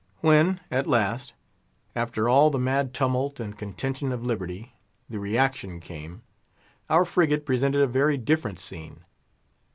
When, at last, after all the mad tumult and contention of "Liberty," the reaction came, our frigate presented a very different scene.